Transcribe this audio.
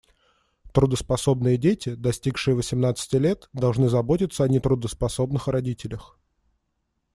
Трудоспособные дети, достигшие восемнадцати лет, должны заботиться о нетрудоспособных родителях.